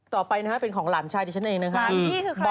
ต่อไปนะฮะเป็นของหลานชายชั้นเองนะฮะ